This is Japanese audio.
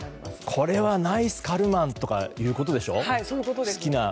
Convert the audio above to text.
これはナイスカルマンとかいうことでしょ？